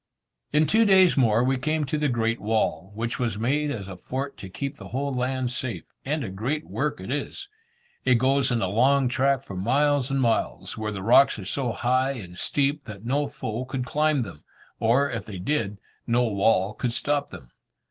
In two days more we came to the Great Wall, which was made as a fort to keep the whole land safe, and a great work it is. It goes in a long track for miles and miles, where the rocks are so high and steep that no foe could climb them; or, if they did, no wall could stop them.